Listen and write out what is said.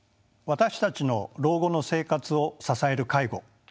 私たちの老後の生活を支える介護。